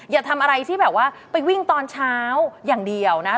อย่าทำอะไรที่แบบว่าไปวิ่งตอนเช้าอย่างเดียวนะ